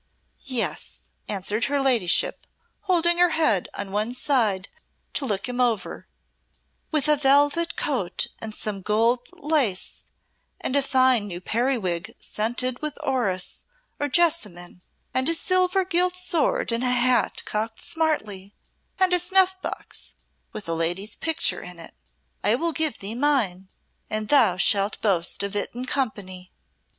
"Yes," answered her ladyship, holding her head on one side to look him over, "with a velvet coat and some gold lace, and a fine new periwig scented with orris or jessamine, and a silver gilt sword and a hat cocked smartly, and a snuff box, with a lady's picture in it. I will give thee mine, and thou shalt boast of it in company."